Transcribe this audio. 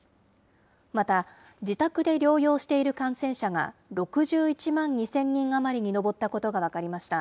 また、自宅で療養している感染者が６１万２０００人余りに上ったことが分かりました。